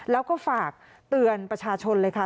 แล้วก็ฝากเตือนประชาชนเลยค่ะ